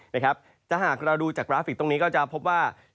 ถ้าหากเราดูจากกราฟิกตรงนี้ก็จะพบว่า